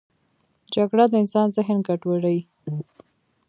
جګړه د انسان ذهن ګډوډوي